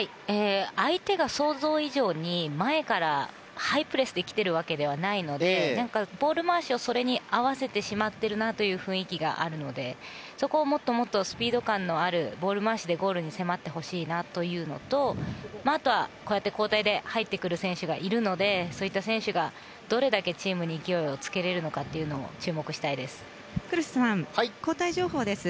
相手が想像以上に前からハイプレスで来ているわけではないのでボール回しをそれに合わせてしまっているなという雰囲気があるのでそこを、もっともっとスピード感のあるボール回しでゴールに迫ってほしいところとあとは、交代で入ってくる選手がいるのでそういった選手が、どれだけチームに勢いをつけられるのかも黒瀬さん、交代情報です。